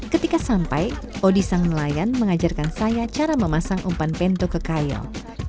ketika sampai odi sang nelayan mengajarkan saya cara memasang umpan pento ke kayong